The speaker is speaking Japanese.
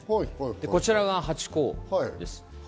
こちらがハチ公です。